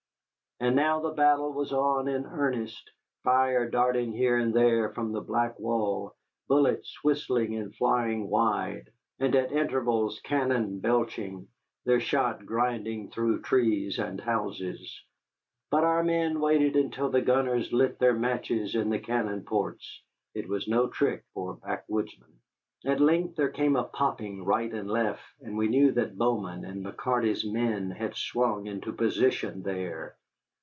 And now the battle was on in earnest, fire darting here and there from the black wall, bullets whistling and flying wide, and at intervals cannon belching, their shot grinding through trees and houses. But our men waited until the gunners lit their matches in the cannon ports, it was no trick for a backwoodsman. At length there came a popping right and left, and we knew that Bowman and McCarty's men had swung into position there.